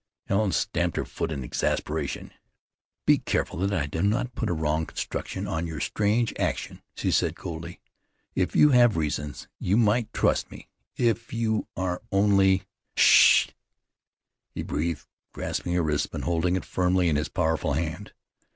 Helen stamped her foot in exasperation. "Be careful that I do not put a wrong construction on your strange action," said she coldly. "If you have reasons, you might trust me. If you are only " "Sh s sh!" he breathed, grasping her wrist, and holding it firmly in his powerful hand.